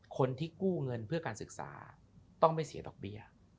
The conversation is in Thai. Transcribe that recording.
คนที่กู้เงินเพื่อการศึกษาต้องไม่เสียดอกเบี้ย